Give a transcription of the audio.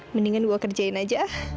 mendingan gue kerjain aja